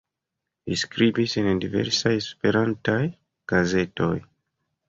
Li skribis en diversaj Esperantaj gazetoj.